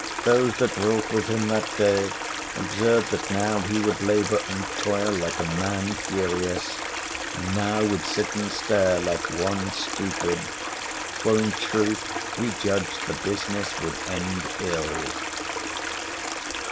Those that wrought with him that day observed that now he would labour and toil like a man furious, and now would sit and stare like one stupid; for in truth he judged the business would end ill.